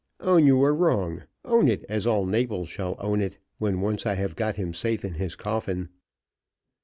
"Own you were wrong. Own it, as all Naples shall own it, when once I have got him safe in his coffin!"